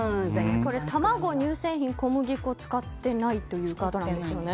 卵、乳製品、小麦粉を使ってないということですよね。